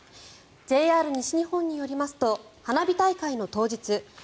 ＪＲ西日本によりますと花火大会の当日